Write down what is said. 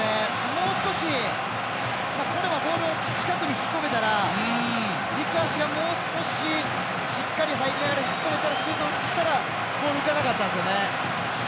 もう少し、ボール近くに引き込めたら軸足がもう少ししっかり入りながら引き込めてシュート打っていたらボール浮かなかったんですよね。